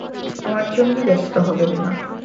আমার জন্যে ব্যস্ত হবেন না।